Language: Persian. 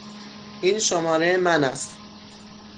این شماره من است.